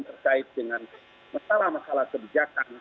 terkait dengan masalah masalah kebijakan